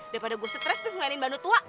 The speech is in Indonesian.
daripada gue stres tuh ngelayain bando tua